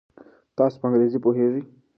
تاسو په انګریزي پوهیږئ؟